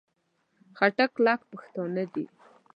خټک کلک پښتانه دي.